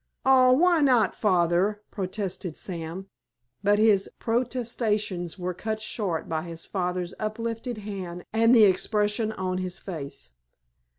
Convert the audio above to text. "Aw, why not, Father?" protested Sam. But his protestations were cut short by his father's uplifted hand and the expression on his face.